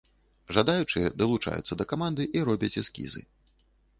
Жадаючыя далучаюцца да каманды і робяць эскізы.